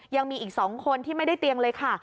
ยังมีอีก๒คนที่ไม่ได้เตียงเลยค่ะ